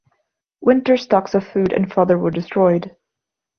Winter stocks of food and fodder were destroyed.